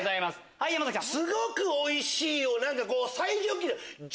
はい山崎さん。